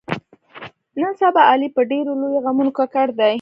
نن سبا علي په ډېرو لویو غمونو ککړ دی.